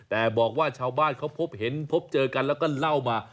แต่บอกว่าชาวบ้านเขาพบเห็นพบเจอกันแล้วก็เล่ามา